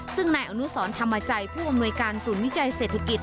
ซึ่งนายอนุสรธรรมจัยผู้อำนวยการศูนย์วิจัยเศรษฐกิจ